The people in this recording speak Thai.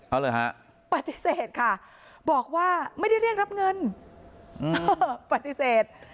เอาเลยฮะปฏิเสธค่ะบอกว่าไม่ได้เรียกรับเงินปฏิเสธ